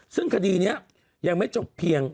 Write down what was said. ซึ่งคดีนี้ยังไม่จบเพียง